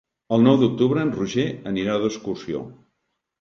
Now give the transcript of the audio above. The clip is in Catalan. El nou d'octubre en Roger anirà d'excursió.